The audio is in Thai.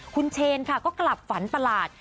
คุณเชนค่ะก็กลับฝันประหลาด